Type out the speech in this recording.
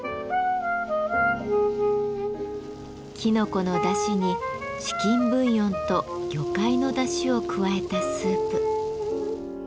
きのこのだしにチキンブイヨンと魚介のだしを加えたスープ。